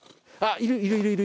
いるいるいるいる！